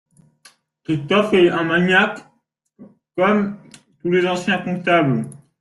Christophe est un maniaque, comme tous les anciens comptables.